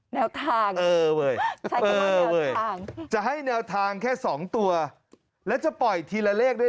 แนวทางเออเว้ยจะให้แนวทางแค่๒ตัวและจะปล่อยทีละเลขด้วย